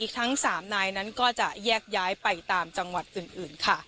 ทั้ง๓นายนั้นก็จะแยกย้ายไปตามจังหวัดอื่นค่ะ